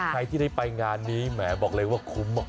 ใครที่ได้ไปงานนี้แหมบอกเลยว่าคุ้ม